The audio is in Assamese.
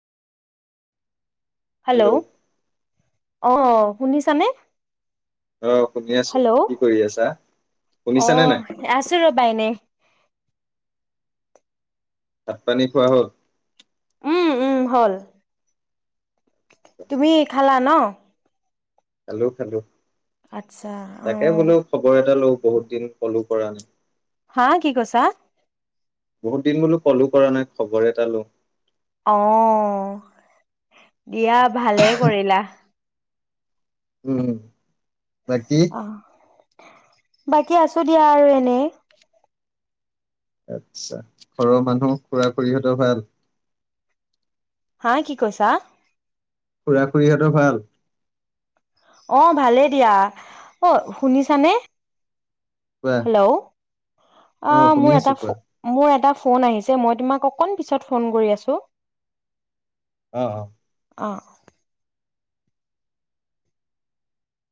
হেল্ল' অ', শুনিছানে? অ শুনি আছো হেল্ল' কি কৰি আছা শুনিছানে অহ নাই আছোঁ ৰবা এনে। ভাত পানী খোৱা হ'ল? উম, উম, হ'ল তুমি খালা ন'? খালোঁ খালোঁ। আচ্ছা অ তাকে বোলো খবৰ এটা লওঁ। দিন ফলো কৰা। হা কি কৈছা? বহুত দিন বোলো ক'লো কৰা নাই খবৰ এটা লো অ', দিয়া। ভালে কৰিলা। উম। বাইতি। অ বাকী আছো দিয়া আৰু এনেই। আতছা ঘৰৰ মানুহ খুৰা খুৰীহঁতৰ ভাল? হা কি কৈছা? খুৰা খুৰীহঁতৰ ভাল? অ', ভালেই দিয়া অ', শুনিছানে? কোৱা হেল্ল' অ আ শুনি মোৰ আছো এটা কোৱা ফ, মোৰ এটা ফোন আহিছে। যে মই তোমাক অকণ পিছত ফোন কৰি আছোঁ। অহ, অহ। অ'।